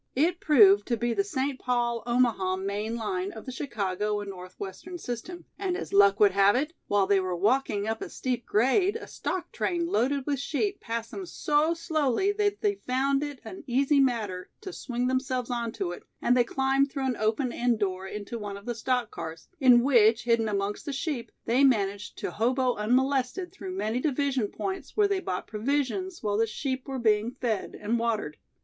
It proved to be the St. Paul Omaha main line of the Chicago and Northwestern System, and as luck would have it, while they were walking up a steep grade a stock train loaded with sheep passed them so slowly that they found it an easy matter to swing themselves onto it and they climbed through an open end door into one of the stock cars, in which, hidden amongst the sheep, they managed to hobo unmolested through many division points where they bought provisions while the sheep were being fed and watered.